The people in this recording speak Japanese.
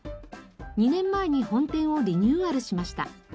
２年前に本店をリニューアルしました。